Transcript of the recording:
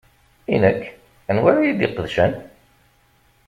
I nekk, anwa ara y-id-iqedcen?